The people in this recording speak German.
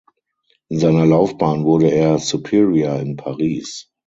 In seiner Laufbahn wurde er Superior in Paris.